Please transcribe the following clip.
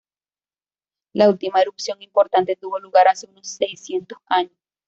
La última erupción importante tuvo lugar hace unos seiscientos años.